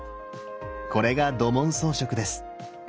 これが土紋装飾です。